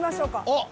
あっ。